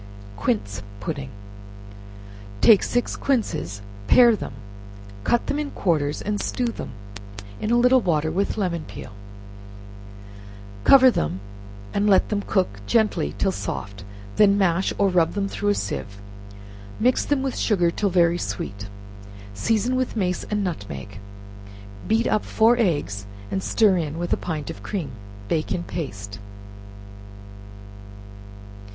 Quince Pudding Take six quinces, pare them, cut them in quarters, and stew them, in a little water with lemon peel; cover them and let them cook gently till soft, when mash, or rub them through a sieve; mix them with sugar till very sweet, season with mace and nutmeg; beat up four eggs and stir in with a pint of cream; bake it in paste.